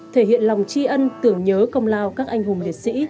thể hiện lòng tri ân tưởng nhớ công lao các anh hùng liệt sĩ